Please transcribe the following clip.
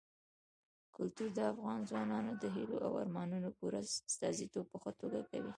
کلتور د افغان ځوانانو د هیلو او ارمانونو پوره استازیتوب په ښه توګه کوي.